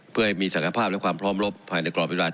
เพื่อให้มีสังคมภาพและความพร้อมลบ